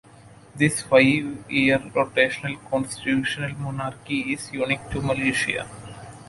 This five-year rotational constitutional monarchy is unique to Malaysia.